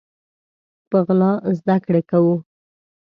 په غلا زده کړي کوو